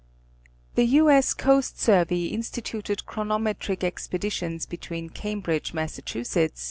The U. 8. Coast Survey instituted chronometric expeditions between Cambridge, Mass.